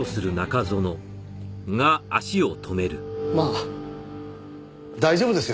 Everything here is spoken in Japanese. まあ大丈夫ですよ